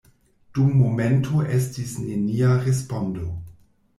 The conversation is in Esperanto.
Dum momento estis nenia respondo.